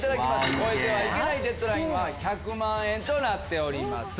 超えてはいけないデッドラインは１００万円となっております。